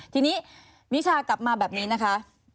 ทีนี้มิชากลับมาแบบนี้นะคะ